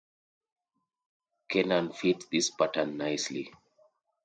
Kiernan fits this pattern nicely.